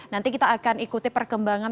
nanti kita akan ikuti perkembangan